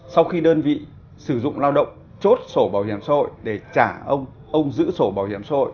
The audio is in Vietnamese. sau khi đơn vị sử dụng lao động chốt sổ bảo hiểm xã hội để trả ông ông giữ sổ bảo hiểm xã hội